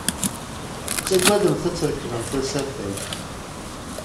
Tettagademt ad trekbemt asafag.